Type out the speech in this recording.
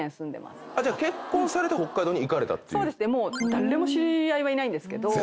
誰も知り合いはいないんですけど。